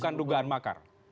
bukan dugaan makar